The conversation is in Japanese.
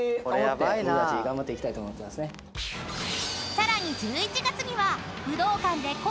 ［さらに１１月には］